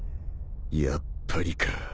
やっぱりか